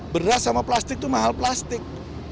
beras sama plastik itu mahal plastik